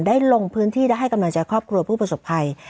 ได้ลงพื้นที่ได้ให้กำหนดจากครอบครัวผู้ประสบภัย